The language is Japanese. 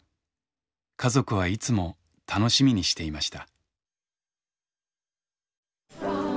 家族はいつも楽しみにしていました。